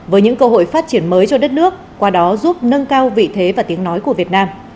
với những cơ hội phát triển mới cho đất nước qua đó giúp nâng cao vị thế và tiếng nói của việt nam